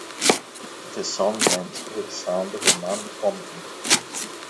The song ends with a sound of a man vomiting.